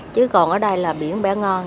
chứ còn ở đây là biển bé ngon